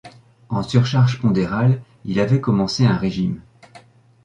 En surcharge pondérale, il avait commencé un régime.